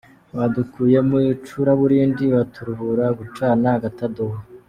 Badukuye mu icuraburindi, baturuhura gucana agatadowa.